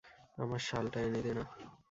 আমার শালটা এনে দে না!